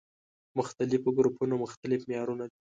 مختلفو ګروپونو مختلف معيارونه دي.